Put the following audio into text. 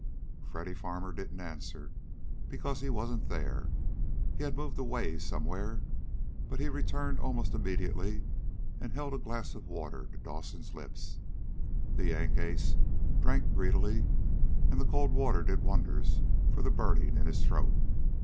Freddy Farmer didn't answer, because he wasn't there. He had moved away somewhere. But he returned almost immediately and held a glass of water to Dawson's lips. The Yank ace drank greedily, and the cold water did wonders for the burning in his throat.